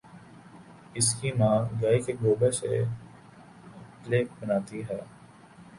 اس کی ماں گائےکے گوبر سے اپلے بناتی ہے